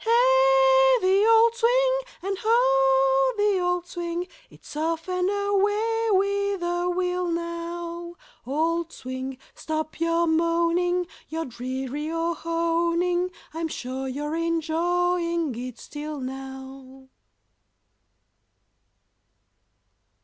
Hey! the old swing, And ho! the old swing; It's off and away with a will now; Old swing, stop your moaning, Your dreary o honing! I'm sure you're enjoying it still, now!